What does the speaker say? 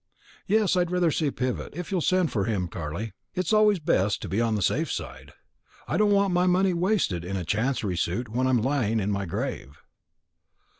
Yes, I'd rather see Pivott, if you'll send for him, Carley. It's always best to be on the safe side. I don't want my money wasted in a chancery suit when I'm lying in my grave."